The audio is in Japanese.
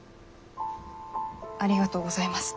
ありがとうございます。